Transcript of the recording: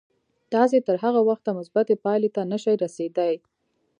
تاسې تر هغه وخته مثبتې پايلې ته نه شئ رسېدای.